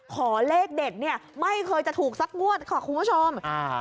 ขอเลขเด็ดเนี่ยไม่เคยจะถูกสักงวดค่ะคุณผู้ชม